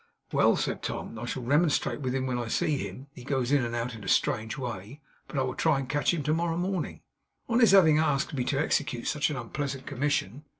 'Well!' said Tom, 'I shall remonstrate with him when I see him (he goes in and out in a strange way, but I will try to catch him tomorrow morning), on his having asked me to execute such an unpleasant commission.